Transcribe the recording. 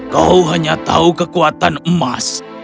kau hanya tahu kekuatan emas